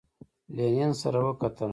لینین سره وکتل.